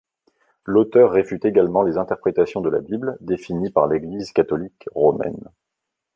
L’auteur réfute également les interprétations de la Bible définies par l’Église catholique romaine.